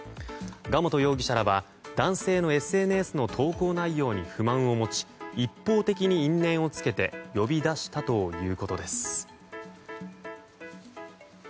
賀本容疑者らは男性のＳＮＳの投稿内容に不満を持ち一方的に因縁をつけて呼び出したということです。